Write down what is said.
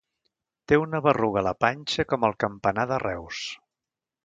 Té una berruga a la panxa com el campanar de Reus.